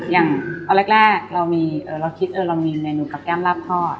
อย่างตอนแรกเราคิดเรามีเมนูกับแก้มลาบทอด